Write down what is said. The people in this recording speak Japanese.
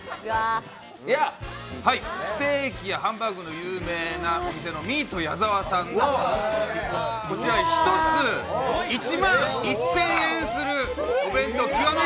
ステーキやハンバーグの有名なお店のミート矢澤さんの１つ１万１０００円するお弁当、極味